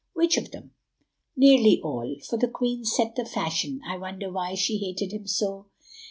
Which of them?" "Nearly all, for the queen set the fashion—I wonder why she hated him so?"